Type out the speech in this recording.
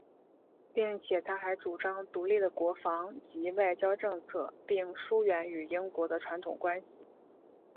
并且他还主张独立的国防及外交政策并疏远与英国的传统关系。